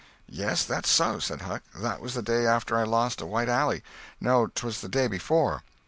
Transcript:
"Yes, that's so," said Huck. "That was the day after I lost a white alley. No, 'twas the day before."